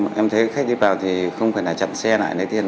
thì em thấy khách đi vào thì không phải là chậm xe lại lấy tiền